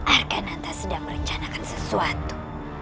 argananta sedang merencanakan sesuatu